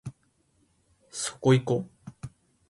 そこいこ